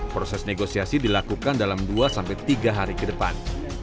proses negosiasi dilakukan dalam dua sampai tiga hari ke depan